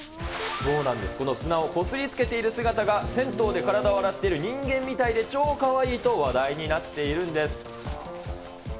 そうなんです、この砂をこすりつけている姿が、銭湯で体を洗っている人間みたいで超かわいいと話題になっているんです。